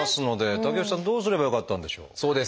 竹内さんどうすればよかったんでしょう？